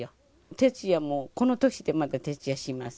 徹夜もこの年でまだ徹夜します。